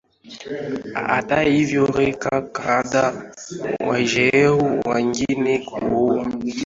Hata hivyo raia kadhaa walijeruhiwa na wengine kuuawa